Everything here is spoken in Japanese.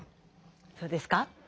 そうですか？